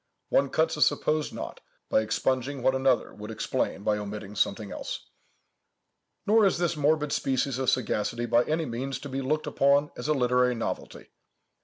One cuts a supposed knot by expunging what another would explain by omitting something else. Nor is this morbid species of sagacity by any means to be looked upon as a literary novelty.